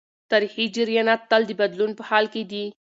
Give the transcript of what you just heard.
تاریخي جریانات تل د بدلون په حال کي دي.